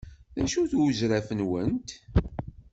D acu-t uzraf-nwent?